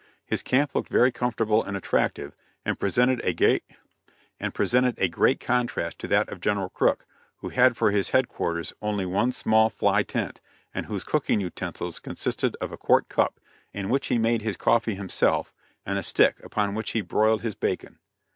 His camp looked very comfortable and attractive, and presented a great contrast to that of General Crook, who had for his headquarters only one small fly tent; and whose cooking utensils consisted of a quart cup in which he made his coffee himself and a stick, upon which he broiled his bacon.